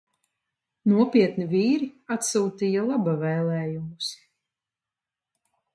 Nopietni vīri atsūtīja laba vēlējumus!